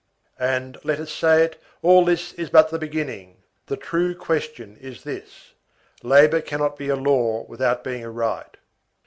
And, let us say it, all this is but the beginning. The true question is this: labor cannot be a law without being a right.